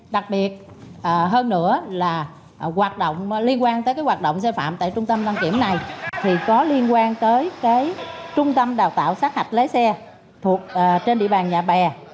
đặc biệt hơn nữa là liên quan tới hoạt động xe phạm tại trung tâm đăng kiểm này thì có liên quan tới trung tâm đào tạo sát hạch lấy xe trên địa bàn nhà bè